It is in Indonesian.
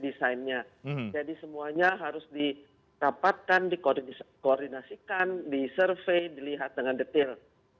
desainnya jadi semuanya harus dirapatkan dikoordinasikan disurvey dilihat dengan detail